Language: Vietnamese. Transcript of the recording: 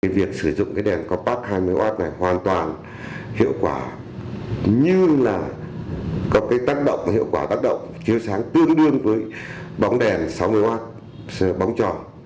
việc sử dụng cái đèn compact hai mươi w này hoàn toàn hiệu quả nhưng là có cái tác động hiệu quả tác động chiều sáng tương đương với bóng đèn sáu mươi w bóng tròn